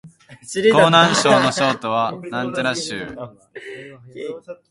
河南省の省都は鄭州